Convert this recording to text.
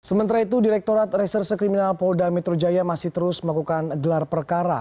sementara itu direkturat reserse kriminal polda metro jaya masih terus melakukan gelar perkara